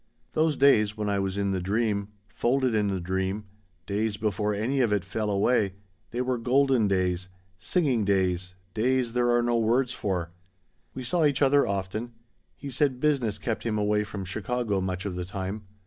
"Those days when I was in the dream, folded in the dream, days before any of it fell away, they were golden days, singing days days there are no words for. "We saw each other often. He said business kept him away from Chicago much of the time.